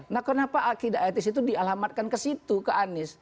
nah kenapa akidah etis itu dialamatkan ke situ ke anies